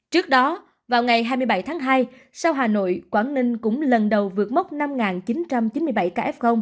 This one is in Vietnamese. trước đó vào ngày hai mươi bảy tháng hai sau hà nội quảng ninh cũng lần đầu vượt mốc năm chín trăm chín mươi bảy ca f